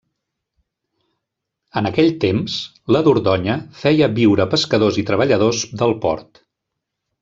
En aquell Temps, la Dordonya feia viure pescadors i treballadors del port.